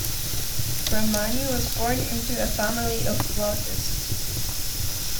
Ramani was born into a family of flautists.